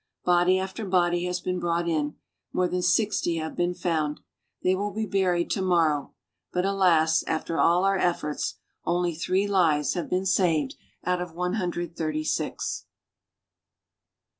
Body after body has been brought in. More than 60 have been found; they will be buried to morrow. But alas! after all our efforts, only three lives have been saved out of 136. THE MUTINEERS, A TALE OF THE SEA.